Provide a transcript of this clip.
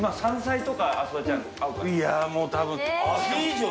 いやもう多分。